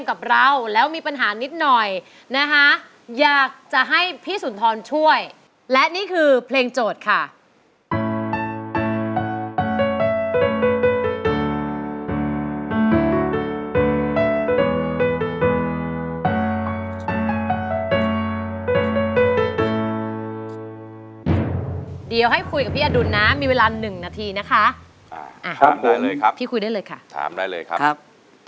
มาถึงตัวช่วยกันล่ะครับ